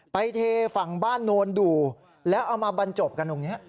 เทฝั่งบ้านโนนดูแล้วเอามาบรรจบกันตรงนี้